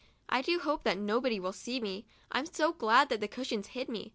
I do hope that nobody will see me. I'm so glad that the cushions hide me.